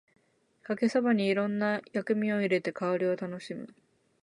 かけそばにいろんな薬味を入れて香りを楽しむ